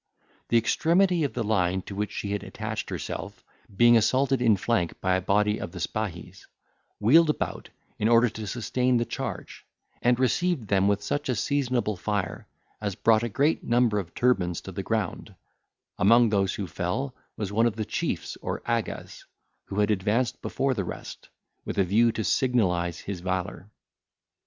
The extremity of the line to which she had attached herself, being assaulted in flank by a body of the spahis, wheeled about, in order to sustain the charge, and received them with such a seasonable fire, as brought a great number of turbans to the ground; among those who fell, was one of the chiefs or agas, who had advanced before the rest, with a view to signalise his valour.